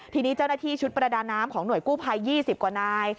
ทีนี้เจ้าหน้าที่ชุดประดาน้ำของหน่วยกู้ภัย๒๐กว่านาย